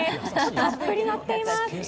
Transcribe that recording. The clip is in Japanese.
たっぷりのっています。